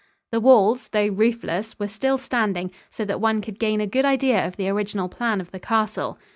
The walls, though roofless, were still standing, so that one could gain a good idea of the original plan of the castle.